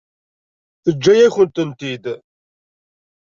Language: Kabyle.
Teǧǧa-yakent-ten-id?